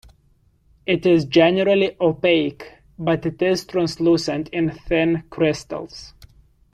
It is generally opaque, but it is translucent in thin crystals.